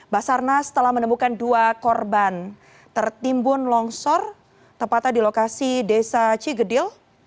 basarnas telah menemukan dua korban tertimbun longsor tepatnya di lokasi desa cigedil